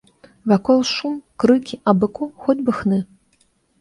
Вакол шум, крыкі, а быку хоць бы хны.